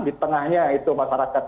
di tengahnya itu masyarakat